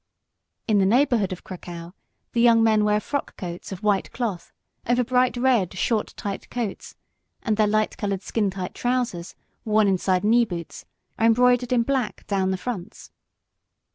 In the neighbourhood of Krakau the young men wear frock coats of white cloth, over bright red, short tight coats, and their light coloured skin tight trousers, worn inside knee boots, are embroidered in black down the fronts.